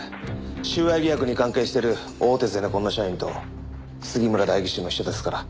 収賄疑惑に関係してる大手ゼネコンの社員と杉村代議士の秘書ですから。